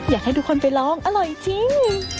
อยากให้ทุกคนไปลองอร่อยจริง